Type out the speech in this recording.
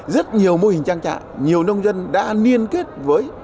rất nhiều mô hình trang trại nhiều nông dân đã liên kết với